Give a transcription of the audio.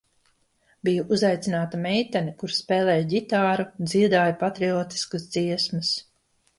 Bija uzaicināta meitene, kura spēlēja ģitāru un dziedāja patriotiskas dziesmas.